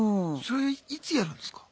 それいつやるんですか？